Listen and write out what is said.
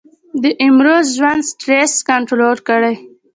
د امروزه ژوند سټرېس کنټرول کړي -